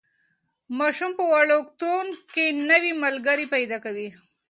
ماسوم په وړکتون کې نوي ملګري پیدا کوي.